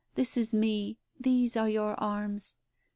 This is me ! These are your arms.